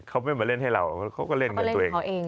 เขาไม่มาเล่นให้เราเขาก็เล่นเหมือนตัวเอง